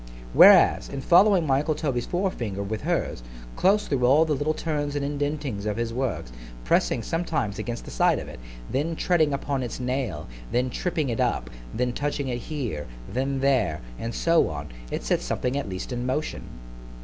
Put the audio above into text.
Whereas, in following my uncle Toby's forefinger with hers, close thro' all the little turns and indentings of his works——pressing sometimes against the side of it——then treading upon its nail——then tripping it up——then touching it here——then there, and so on——it set something at least in motion.